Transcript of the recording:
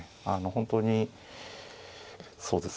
本当にそうですね